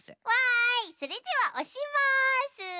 わいそれではおします。